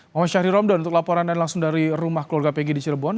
mohon syahri romdon untuk laporan dan langsung dari rumah keluarga peggy di cirebon